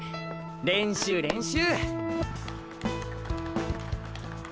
練習練習！